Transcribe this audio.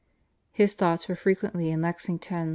His thoughts were frequently in Lexington.